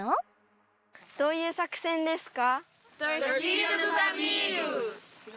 どういう作戦ですか？